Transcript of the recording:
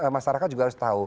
masyarakat juga harus tahu